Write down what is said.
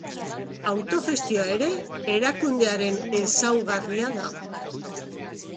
Autogestioa ere erakundearen ezaugarria da.